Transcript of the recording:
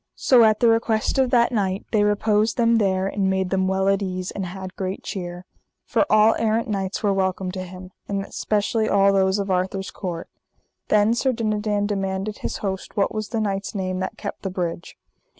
So at the request of that knight they reposed them there, and made them well at ease, and had great cheer. For all errant knights were welcome to him, and specially all those of Arthur's court. Then Sir Dinadan demanded his host what was the knight's name that kept the bridge.